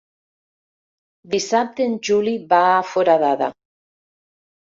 Dissabte en Juli va a Foradada.